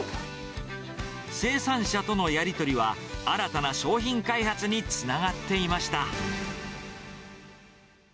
生産者とのやり取りは、新たな商品開発につながっていました。